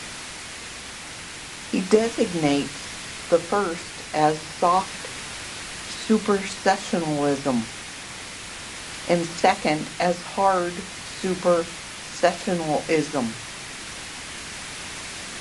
He designates the first as "soft supersessionism" and the second as "hard supersessionism.